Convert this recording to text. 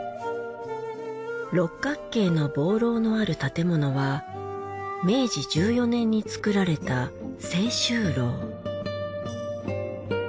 六角形の望楼のある建物は明治１４年に造られた青州楼。